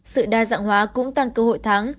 sự đa dạng hóa cũng tăng cơ hội thắng